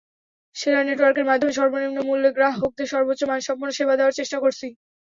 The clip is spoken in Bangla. সেরা নেটওয়ার্কের মাধ্যমে সর্বনিম্ন মূল্যে গ্রাহকদের সর্বোচ্চ মানসম্পন্ন সেবা দেওয়ার চেষ্টা করেছি।